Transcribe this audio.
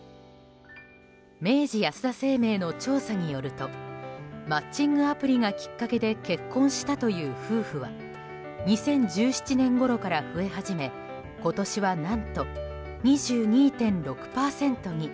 明治安田生命の調査によるとマッチングアプリがきっかけで結婚したという夫婦は２０１７年ごろから増え始め今年は何と２２．６％に。